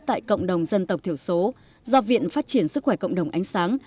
tại cộng đồng dân tộc thiểu số do viện phát triển sức khỏe cộng đồng ánh sáng